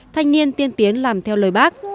thanh niên tiên tiến làm theo lời bác